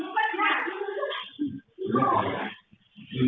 อ้าวเดี๋ยวเดี๋ยวเดี๋ยว